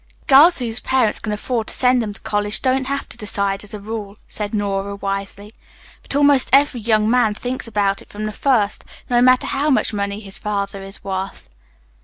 "Girls whose parents can afford to send them to college don't have to decide, as a rule," said Nora wisely, "but almost every young man thinks about it from the first, no matter how much money his father is worth."